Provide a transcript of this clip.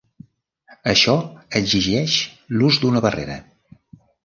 Això exigeix l'ús d'una barrera.